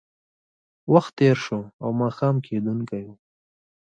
وخت تېر شو او ماښام کېدونکی و